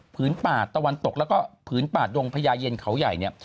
ป่าตะวันตกแล้วก็ผืนป่าดงพญาเย็นเขาใหญ่เนี่ย